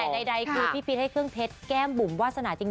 แต่ใดคือพี่พีชให้เครื่องเพชรแก้มบุ๋มวาสนาจริง